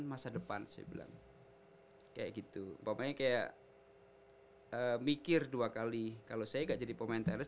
masa depan saya bilang kayak gitu umpamanya kayak mikir dua kali kalau saya enggak jadi pemain teroris